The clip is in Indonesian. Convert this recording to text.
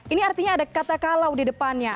ini artinya ada kata kalau di depannya